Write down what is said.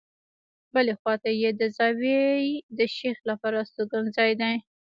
بلې خواته یې د زاویې د شیخ لپاره استوګنځای دی.